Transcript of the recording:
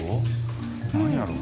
何やろう？